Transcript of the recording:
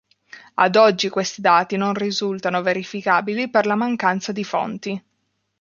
Ad oggi questi dati non risultano verificabili per la mancanza di fonti.